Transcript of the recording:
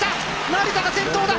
成田が先頭だ。